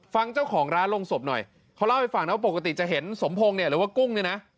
ฟังเจ้าของร้านลงศพหน่อยเขาเล่าให้ฟังนะว่าปกติจะเห็นสมพงศ์เนี่ยหรือว่ากุ้งเนี่ยนะ